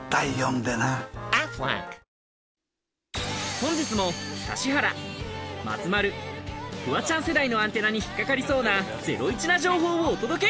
本日も指原、松丸、フワちゃん世代のアンテナに引っ掛かりそうなゼロイチな情報をお届け！